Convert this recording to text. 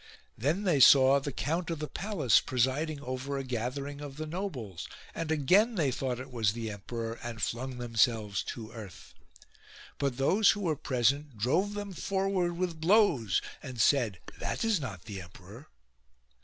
Then they saw the count of the palace presiding over a gathering of the nobles and again they thought it was the emperor and flung themselves to earth. But those who were present drove them forward with blows and said :" That is not the emperor."